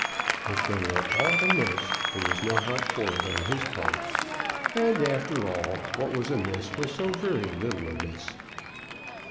If there were aught amiss, there was no help for it on his part; and, after all, what was amiss was so very little amiss.